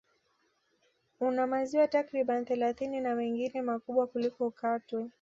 Una maziwa takriban thelathini na mengine makubwa kuliko Katwe